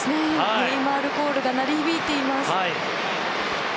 ネイマールコールが鳴り響いています。